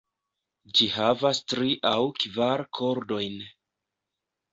Ĝi havas tri aŭ kvar kordojn.